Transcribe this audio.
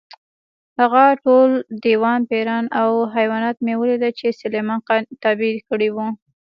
هغه ټول دیوان، پېریان او حیوانات مې ولیدل چې سلیمان تابع کړي وو.